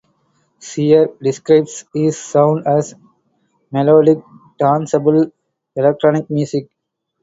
Shear describes his sound as "melodic, danceable electronic music".